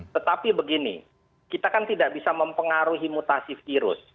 tetapi begini kita kan tidak bisa mempengaruhi mutasi virus